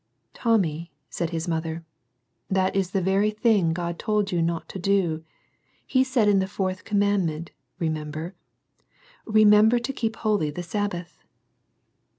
— "Tommy," said his mother, "that is the very thing God told you not to do. He said in the fourth commandment, remember, * Remember to keep holy the Sabbath.